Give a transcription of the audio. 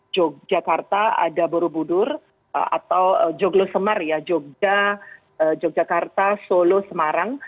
yogyakarta ada borobudur atau yogyakarta solo semarang